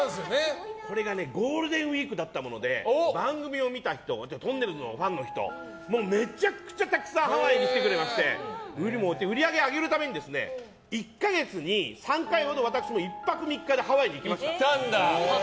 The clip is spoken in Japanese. これがゴールデンウィークだったもので番組を見た人とんねるずのファンの人めちゃくちゃたくさんハワイに来てくれまして売上を上げるために、１か月に３回ほど私も１泊３日でハワイに行きました。